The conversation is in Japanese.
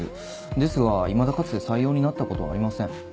ですがいまだかつて採用になった事はありません。